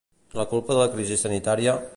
La culpa de la crisi sanitària?